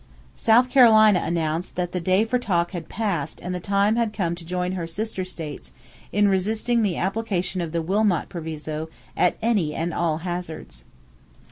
South Carolina announced that the day for talk had passed and the time had come to join her sister states "in resisting the application of the Wilmot Proviso at any and all hazards."